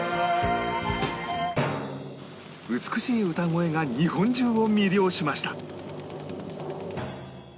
美しい歌声が日本中を魅了しました